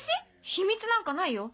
秘密なんかないよ。